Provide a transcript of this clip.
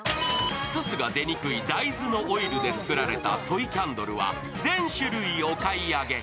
すすが出にくい大豆のオイルで作られたソイキャンドルは全種類お買い上げ。